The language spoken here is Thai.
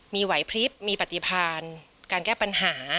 มีไหวพลิบมีปฏิพานการแก้ปัญหา